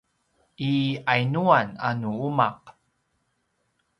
i yainuan a nu umaq?